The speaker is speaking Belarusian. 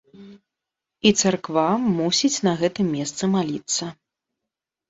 І царква мусіць на гэтым месцы маліцца.